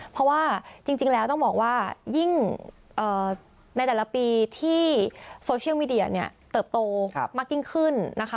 เพราะว่าจริงแล้วต้องบอกว่ายิ่งในแต่ละปีที่โซเชียลมีเดียเนี่ยเติบโตมากยิ่งขึ้นนะคะ